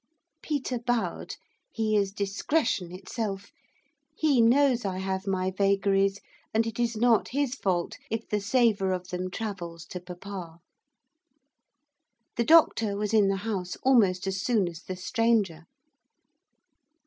Peter bowed. He is discretion itself. He knows I have my vagaries, and it is not his fault if the savour of them travels to papa. The doctor was in the house almost as soon as the stranger.